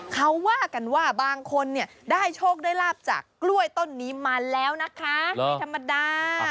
เขาว่ากันว่าบางคนเนี่ยได้โชคได้ลาบจากกล้วยต้นนี้มาแล้วนะคะไม่ธรรมดา